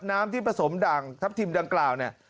น้ำที่ผสมด่างทัพทิมดังกล่าวเนี่ย